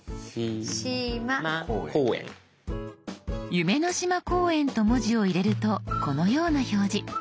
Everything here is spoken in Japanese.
「夢の島公園」と文字を入れるとこのような表示。